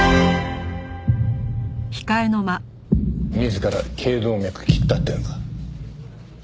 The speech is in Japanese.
自ら頸動脈切ったってのか？